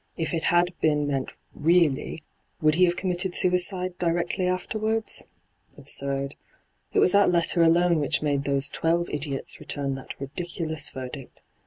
If it had been meant really. hyGoot^le ENTRAPPED 109 would he have committed suicide directly afterwards ? Absurd I It was that letter alone which made those twelve idiots return that ridiculous verdict.